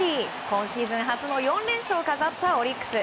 今シーズン初の４連勝を飾ったオリックス。